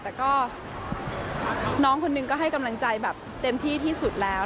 แต่ก็น้องคนหนึ่งก็ให้กำลังใจแบบเต็มที่ที่สุดแล้ว